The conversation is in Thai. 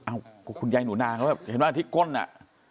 อ้าวคุณยายหนูนางเห็นไหมที่ก้นน่ะ